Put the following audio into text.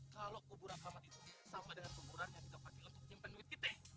kalau kuburan kramat itu sama dengan kuburannya tidak pakai untuk menyimpan duit kita